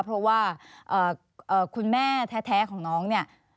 เพราะว่าคุณแม่แท้ของน้องเนี่ย